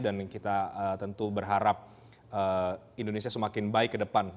dan kita tentu berharap indonesia semakin baik ke depan